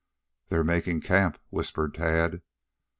"They're making camp," whispered Tad.